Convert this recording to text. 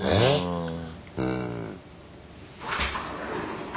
うん。